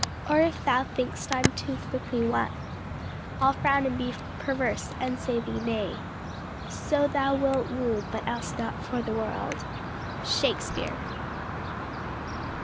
Or if thou think'st I'm too quickly won, I'll frown and be perverse, and say thee nay, So thou wilt woo; but else not for the world." SHAKESPEARE.